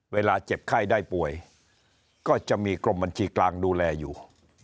เจ็บไข้ได้ป่วยก็จะมีกรมบัญชีกลางดูแลอยู่